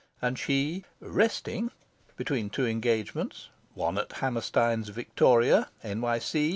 And she, "resting" between two engagements one at Hammerstein's Victoria, N.Y.